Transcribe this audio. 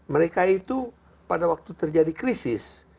mereka itu pada waktu terjadi krisis